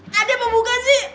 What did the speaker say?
tadi apa buka sih